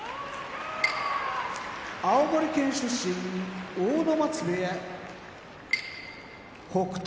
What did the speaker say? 青森県出身阿武松部屋北勝